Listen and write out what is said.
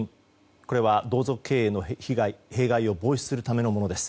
これは同族経営の弊害を防止するためのものです。